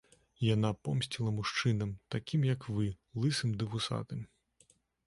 Яна помсціла мужчынам, такім, як вы, лысым ды вусатым.